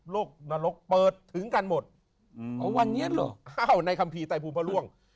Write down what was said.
โลกนรกเปิดถึงกันหมดวันนี้หรออ้าวในคำพีไต้ภูมิพระร่วง